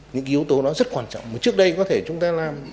những yếu tố đó rất quan trọng mà trước đây có thể chúng ta làm